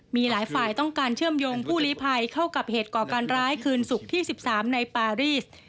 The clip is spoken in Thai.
มีหลายฝ่ายต้องการเชื่อมโยงผู้ลีภัยเข้ากับเหตุก่อการร้ายคืนศุกร์ที่๑๓ในปารีส